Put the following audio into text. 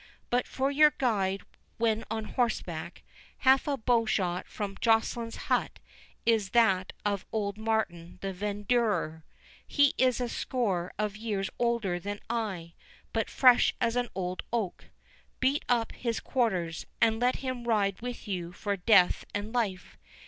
—But for your guide when on horseback, half a bowshot from Joceline's hut is that of old Martin the verdurer; he is a score of years older than I, but as fresh as an old oak—beat up his quarters, and let him ride with you for death and life.